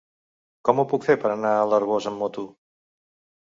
Com ho puc fer per anar a l'Arboç amb moto?